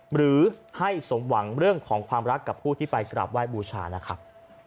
หรือให้สมหวังเรื่องของความรักกับผู้ที่ไปกราบไหว้บูชานะครับ